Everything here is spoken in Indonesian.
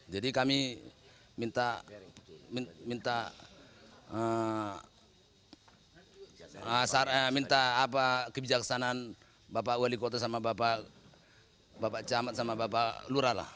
jadi kami minta minta minta kebijaksanaan bapak wali kota sama bapak camat sama bapak lurah lah